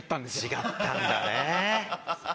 違ったんだね。